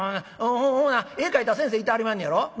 ほな絵描いた先生いてはりまんのやろ。ね？